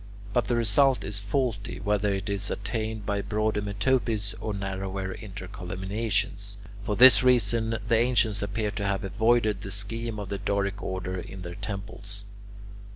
But the result is faulty, whether it is attained by broader metopes or narrower intercolumniations. For this reason, the ancients appear to have avoided the scheme of the Doric order in their temples.